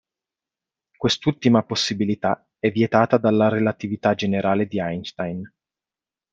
Quest'ultima possibilità è vietata dalla relatività generale di Einstein.